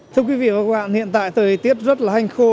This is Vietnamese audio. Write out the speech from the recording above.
thưa quý vị và các bạn hiện tại thời tiết rất là hanh khô